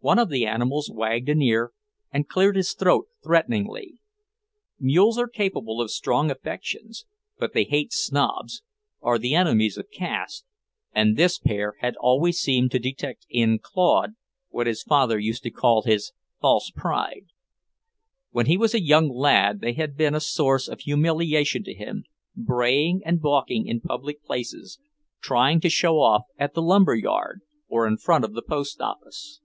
One of the animals wagged an ear and cleared his throat threateningly. Mules are capable of strong affections, but they hate snobs, are the enemies of caste, and this pair had always seemed to detect in Claude what his father used to call his "false pride." When he was a young lad they had been a source of humiliation to him, braying and balking in public places, trying to show off at the lumber yard or in front of the post office.